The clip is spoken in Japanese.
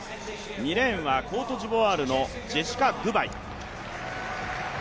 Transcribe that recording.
２レーンはコートジボワールのジェシカ・グバイ。